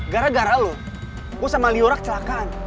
gara gara lo gue sama liura kecelakaan